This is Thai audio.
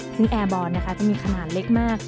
ซึ่งแอร์บอลนะคะจะมีขนาดเล็กมาก